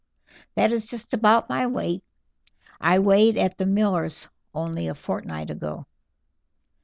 "That is just about my weight; I weighed at the miller's only a fortnight ago."